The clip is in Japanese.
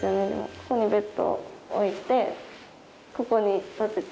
ここにベッド置いてここに立てて。